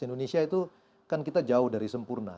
indonesia itu kan kita jauh dari sempurna